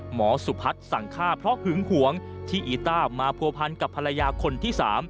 สุพัฒน์สั่งฆ่าเพราะหึงหวงที่อีต้ามาผัวพันกับภรรยาคนที่๓